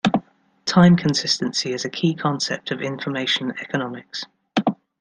Time consistency is a key concept of information economics.